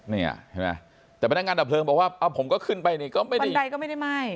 เนี่ยเห็นไหมแต่พนักงานดับเพลิงบอกว่าผมก็ขึ้นไปนี่ก็ไม่ได้บันไดก็ไม่ได้ไหม้